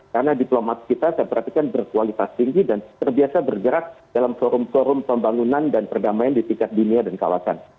karena diplomat kita saya perhatikan berkualitas tinggi dan terbiasa bergerak dalam forum forum pembangunan dan perdamaian di sekitar dunia dan kawasan